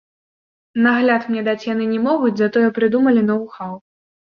Нагляд мне даць яны не могуць, затое прыдумалі ноу-хау!